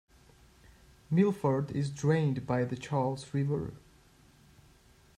Milford is drained by the Charles River.